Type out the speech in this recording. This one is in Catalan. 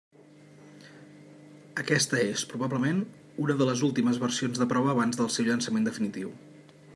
Aquesta és probablement una de les últimes versions de prova abans del seu llançament definitiu.